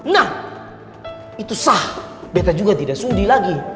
nah itu sah beta juga tidak sundi lagi